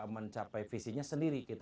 mencapai visinya sendiri